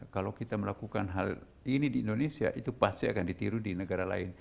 kalau kita melakukan hal ini di indonesia itu pasti akan ditiru di negara lain